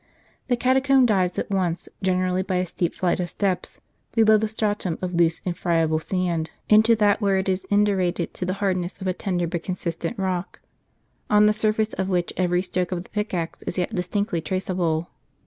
The catacomb dives at once, generally by a steep flight of steps, below the stratum of loose and friable sand,* into that where it is indurated to the hardness of a tender, but consist ent rock ; on the surface of which every stroke of the pick axe is yet distinctly traceable.